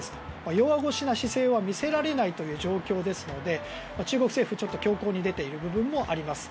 弱腰な姿勢は見せられないという状況ですので中国政府ちょっと強硬に出ている部分もあります。